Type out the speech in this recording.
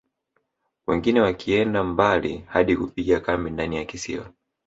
Wengine wakienda mbali hadi kupiga kambi ndani ya kisiwa